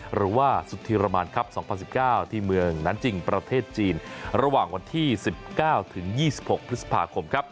หรือว่าสุธีรมานครับ๒๐๑๙ที่เมืองนั้นจริงประเทศจีนระหว่างวันที่๑๙ถึง๒๖พฤษภาคมครับ